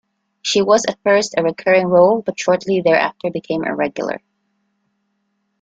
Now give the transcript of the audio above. She was at first a recurring role but shortly thereafter became a regular.